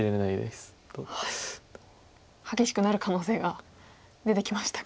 激しくなる可能性が出てきましたか。